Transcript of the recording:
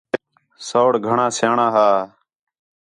سَوڑ گھݨاں سیاݨاں ہا